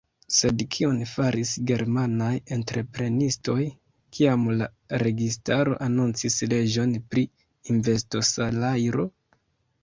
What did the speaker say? Sed kion faris germanaj entreprenistoj, kiam la registaro anoncis leĝon pri investosalajro?